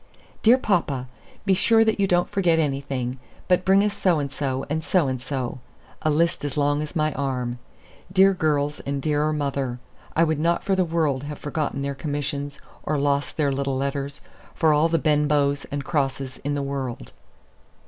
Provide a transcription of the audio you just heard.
"Dear papa, be sure that you don't forget anything, but bring us so and so, and so and so," a list as long as my arm. Dear girls and dearer mother! I would not for the world have forgotten their commissions, or lost their little letters, for all the Benbows and Crosses in the world.